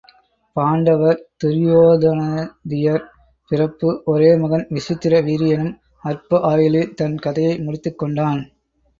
பாண்டவர் துரியோதனாதியர் பிறப்பு ஒரே மகன் விசித்திர வீரியனும் அற்ப ஆயுளில் தன் கதையை முடித்துக் கொண்டான்.